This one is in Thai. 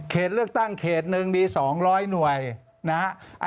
เลือกตั้งเขตหนึ่งมี๒๐๐หน่วยนะฮะ